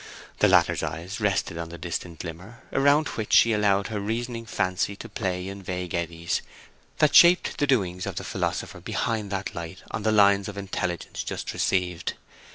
The latter's eyes rested on the distant glimmer, around which she allowed her reasoning fancy to play in vague eddies that shaped the doings of the philosopher behind that light on the lines of intelligence just received.